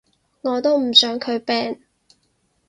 我都唔想佢病